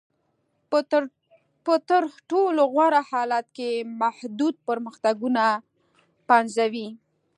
په تر ټولو غوره حالت کې محدود پرمختګونه پنځوي.